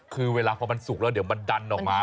คือเวลาพอมันสุกแล้วเดี๋ยวมันดันออกมา